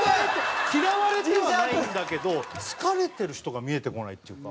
嫌われてはないんだけど好かれてる人が見えてこないっていうか。